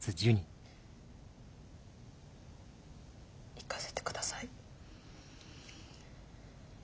行かせて下さい。